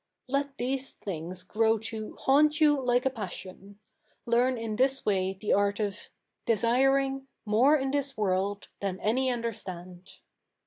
Let these things grow to " haunt you like a passion," learn in this way the art of desiring More in this world than any understand.